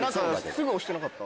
すぐ押してなかった？